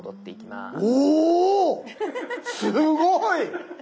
すごい！